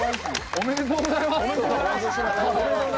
おめでとうございます。